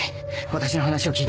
私の話を聞いて。